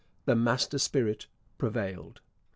The master spirit prevailed.